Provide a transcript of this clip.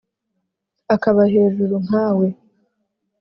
Akaba hejuru nka we,